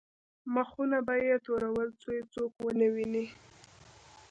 مخونه به یې تورول څو یې څوک ونه ویني.